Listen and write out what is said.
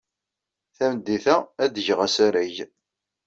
Tameddit-a, ad d-geɣ asarag.